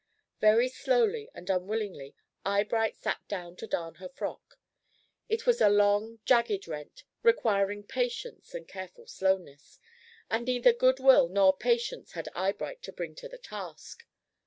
Very slowly and unwillingly Eyebright sat down to darn her frock. It was a long, jagged rent, requiring patience and careful slowness, and neither good will nor patience had Eyebright to bring to the task.